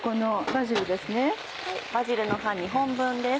バジルの葉２本分です。